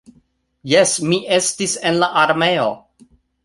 Jes, mi estis en la armeo.